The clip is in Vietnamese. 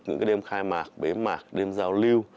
những đêm khai mạc bế mạc đêm giao lưu